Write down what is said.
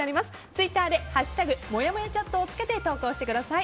ツイッターで「＃もやもやチャット」をつけて投稿してください。